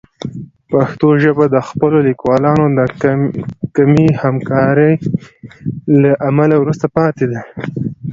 پښتو ژبه د خپلو لیکوالانو د کمې همکارۍ له امله وروسته پاتې ده.